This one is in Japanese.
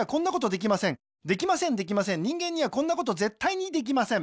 できませんできません人間にはこんなことぜったいにできません